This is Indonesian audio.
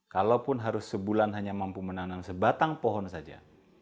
kalaupun harus sebulan hanya mampu menanam sebatang pohon saja